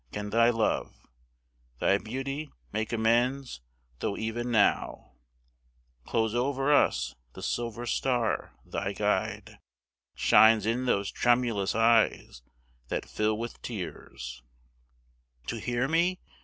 Can thy love, Thy beauty, make amends, tho' even now, Close over us, the silver star, thy guide, Shines in those tremulous eyes that fill with tears To hear me?